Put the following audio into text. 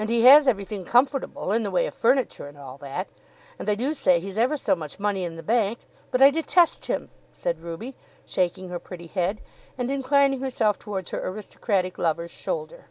"And he has everything comfortable in the way of furniture, and all that. And they do say he's ever so much money in the bank. But I detest him," said Ruby, shaking her pretty head, and inclining herself towards her aristocratic lover's shoulder.